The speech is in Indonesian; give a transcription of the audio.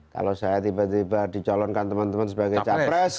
kalau saya tiba tiba dicolonkan teman teman sebagai cawapres